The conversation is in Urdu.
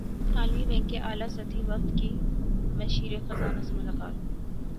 عالمی بینک کے اعلی سطحی وفد کی مشیر خزانہ سے ملاقات